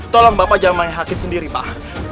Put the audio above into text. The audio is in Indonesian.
tolong bapak jangan menghakim sendiri pak